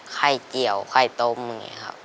ไข่เกี่ยวไข่โต๊ะหมือยังไงครับ